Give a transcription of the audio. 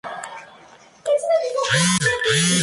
No se sabe mucho de los últimos años de Franz Hofer.